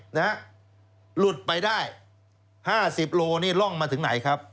หลุดไปได้๕๐โลนี่ร่องมาถึงไหนครับ